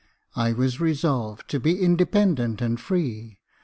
I was resolved to be independent and free.